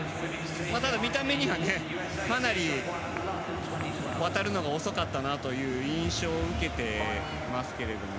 見た目には、かなり渡るのが遅かったなという印象を受けてますけれど。